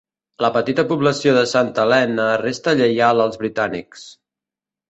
La petita població de Santa Helena resta lleial als britànics.